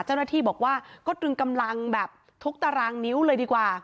เจ้าหน้าที่บอกว่าก็ตรึงกำลังแบบทุกตารางนิ้วเลยดีกว่า